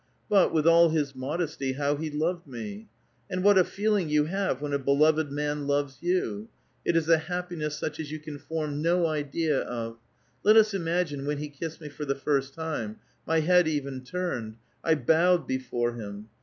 But, with all his modesty, how he loved me ! And what a feeling you have when a beloved man loves vou. Tt is a happiness such as you can form no idea of. Let us imagine when he kissed me for the first time : my head even turned ; I bowed before him.